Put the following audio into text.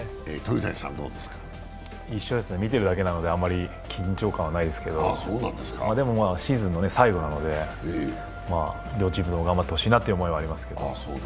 一緒ですね、見てるだけなのであまり緊張感はないですけど、でも、シーズンの最後なので両チームとも頑張ってほしいなという気がしますけど。